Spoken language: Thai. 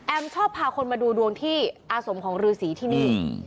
แอมชอบพาคนมาดูดวงที่อาสมของรือสีที่นี่อืม